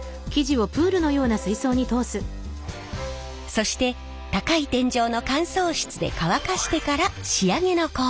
そして高い天井の乾燥室で乾かしてから仕上げの工程へ。